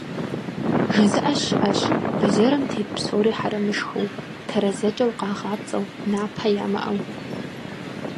ЖызыӀэ щыӀэщ бэзэрым тет псори хьэрэмышхыу, тэрэзэкӀэ укъагъапцӀэу, напэ ямыӀэу.